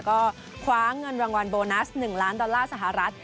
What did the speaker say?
ก็คว้าเงินรางวัลโบนัส๑ล้านดอลลาร์สหรัฐ